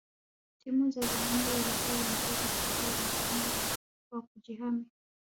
timu za zamani zilikuwa zinacheza soka la mtindo wa kujihami